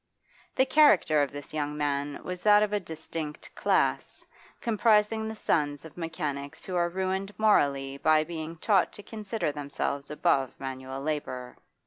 The character of this young man was that of a distinct class, comprising the sons of mechanics who are ruined morally by being taught to consider themselves above manual labour.